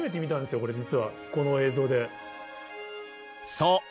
そう。